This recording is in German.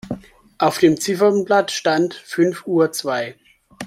Auf dem Ziffernblatt stand fünf Uhr zwei.